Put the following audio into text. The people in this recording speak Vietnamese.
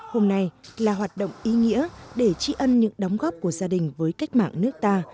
hôm nay là hoạt động ý nghĩa để tri ân những đóng góp của gia đình với cách mạng nước ta